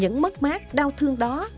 những mất mát đau thương đó